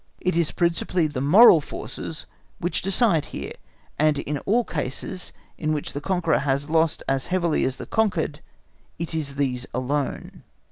It is principally the moral forces which decide here, and in all cases in which the conqueror has lost as heavily as the conquered, it is these alone.